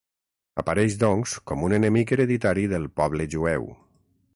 Apareix doncs com un enemic hereditari del poble jueu.